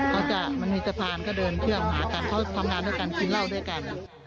เค้าจะมันมีเจษฐานก็เดินเครื่องหากันเค้าทำงานด้วยการกินเหล้าด้วยกัน